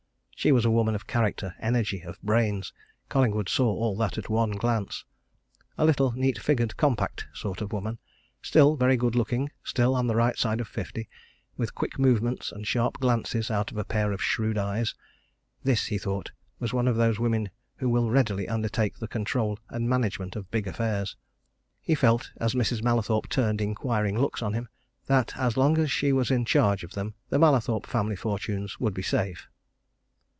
She was a woman of character, energy, of brains Collingwood saw all that at one glance. A little, neat figured, compact sort of woman, still very good looking, still on the right side of fifty, with quick movements and sharp glances out of a pair of shrewd eyes: this, he thought, was one of those women who will readily undertake the control and management of big affairs. He felt, as Mrs. Mallathorpe turned inquiring looks on him, that as long as she was in charge of them the Mallathorpe family fortunes would be safe.